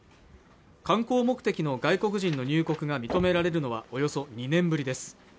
観光目的の外国人の入国が認められるのはおよそ２年ぶりです